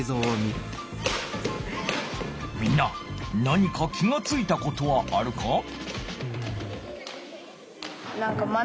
みんな何か気がついたことはあるか？